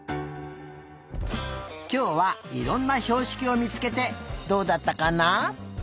きょうはいろんなひょうしきをみつけてどうだったかな？